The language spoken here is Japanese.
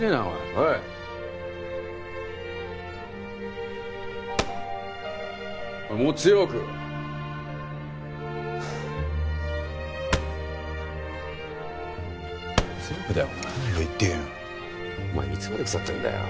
お前いつまで腐ってんだよ。